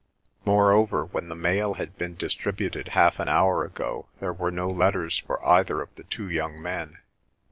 Moreover, when the mail had been distributed half an hour ago there were no letters for either of the two young men.